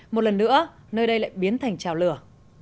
một lần nữa nơi đây lại biến thành trào lửa